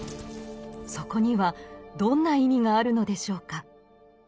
そこにはどんな意味があるのでしょうか。